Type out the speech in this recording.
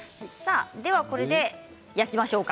これで焼きましょうか。